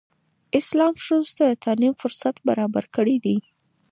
اسلام ښځو ته د تعلیم فرصت برابر کړی دی.